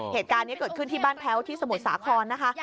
เหตุการณ์นี้เกิดขึ้นที่บ้านแพ้วที่สมุทรสาครนะคะ